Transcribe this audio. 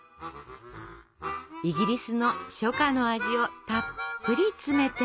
イギリスの初夏の味をたっぷり詰めて。